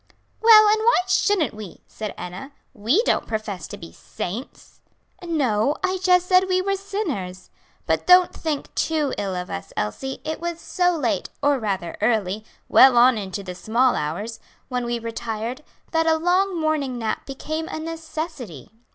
"Well, and why shouldn't we?" said Enna; "we don't profess to be saints." "No, I just said we were sinners. But don't think too ill of us, Elsie, it was so late or rather early well on into the small hours when we retired, that a long morning nap became a necessity."